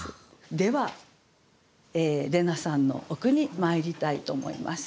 では怜奈さんのお句にまいりたいと思います。